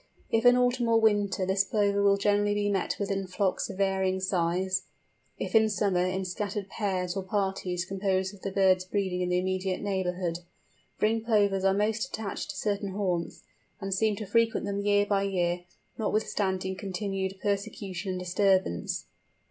If in autumn or winter, this Plover will generally be met with in flocks of varying size; if in summer in scattered pairs or parties composed of the birds breeding in the immediate neighbourhood. Ringed Plovers are most attached to certain haunts, and seem to frequent them year by year, notwithstanding continued persecution and disturbance.